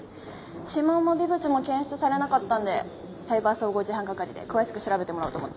指紋も微物も検出されなかったのでサイバー総合事犯係で詳しく調べてもらおうと思って。